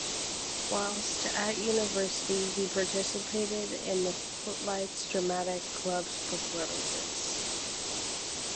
Whilst at university he participated in the Footlights Dramatic Club's performances.